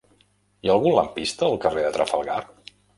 Hi ha algun lampista al carrer de Trafalgar?